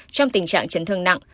trong tình trạng chấn thương nặng